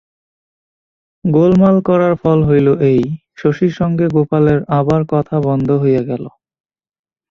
গোলমাল করার ফল হইল এই, শশীর সঙ্গে গোপালের আবার কথা বন্ধ হইয়া গেল।